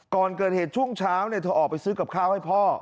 ก่อนเกิดเหตุช่วงเช้าเธอออกไปซื้อกับข้าวให้พ่อ